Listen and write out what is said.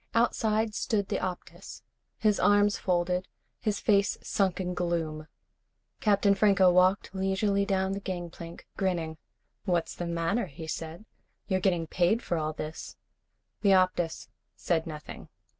Outside stood the Optus, his arms folded, his face sunk in gloom. Captain Franco walked leisurely down the gangplank, grinning. "What's the matter?" he said. "You're getting paid for all this." The Optus said nothing.